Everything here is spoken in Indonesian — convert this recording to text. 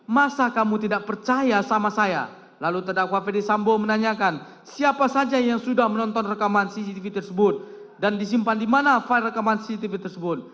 masa kamu tidak percaya sama saya lalu terdakwa ferdisambo menanyakan siapa saja yang sudah menonton rekaman cctv tersebut dan disimpan di mana file rekaman cctv tersebut